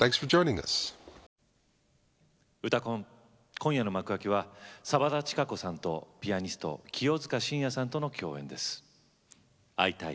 今夜の幕開きは澤田知可子さんとピアニスト、清塚信也さんとの共演で「会いたい」。